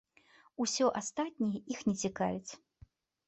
Усё астатняе іх не цікавіць.